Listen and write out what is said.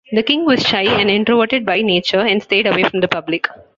The king was shy and introverted by nature, and stayed away from the public.